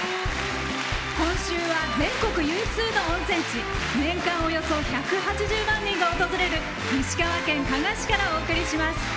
今週は全国有数の温泉地年間およそ１８０万人が訪れる石川県加賀市からお送りします。